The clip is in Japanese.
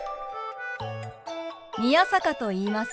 宮坂と言います。